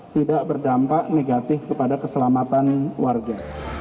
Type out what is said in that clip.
tidak berdampak negatif kepada keselamatan warga